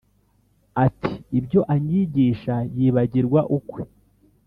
Ati: "Ibyo anyigisha yibagirwa ukwe: